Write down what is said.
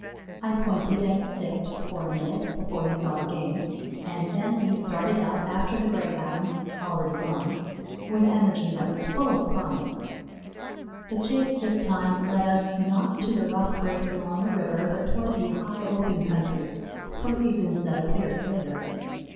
I pointed and "sic ed" for a minute before he saw the game, and then he started out after the Greyhounds, already gone, with energy that was full of promise. The chase this time led us, not to the rough brakes along the river, but toward the high open country, for reasons that appeared later.